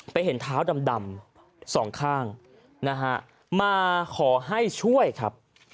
เห็นเท้าดำสองข้างนะฮะมาขอให้ช่วยครับ